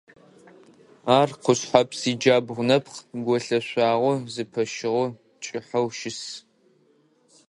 Ар Къушъхьэпс иджабгъу нэпкъ голъэшъуагъэу зэпыщыгъэу кӀыхьэу щыс.